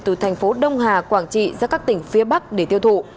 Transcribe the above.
từ thành phố đông hà quảng trị ra các tỉnh phía bắc để tiêu thụ